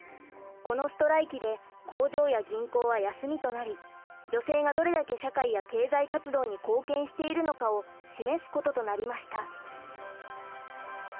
このストライキで工場や銀行は休みとなり女性がどれだけ社会や経済活動に貢献しているのかを示すこととなりました。